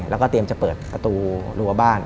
แล้วก็เตรียมจะเปิดประตูรั้วบ้าน